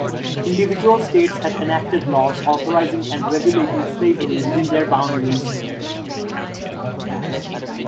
Individual states had enacted laws authorizing and regulating slavery within their boundaries.